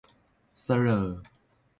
เสร่อ